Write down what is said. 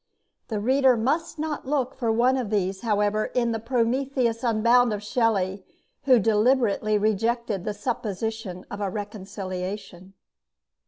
The reader must not look for one of these, however, in the 'Prometheus Unbound' of Shelley, who deliberately rejected the supposition of a reconciliation.